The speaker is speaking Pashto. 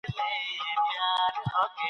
د اسلامي ویښتیا ټول بدیلونه له منځه لاړل.